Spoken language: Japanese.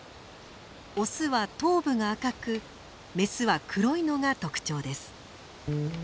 オスは頭部が赤くメスは黒いのが特徴です。